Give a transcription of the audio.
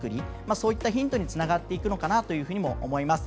そういったヒントにつながっていくのかなというふうにも思います。